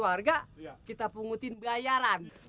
aku ingin keluar